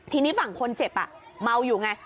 ทีนี้ฝั่งคนเจ็บเมาอยู่ไง